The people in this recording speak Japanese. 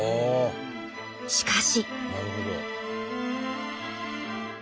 しかし。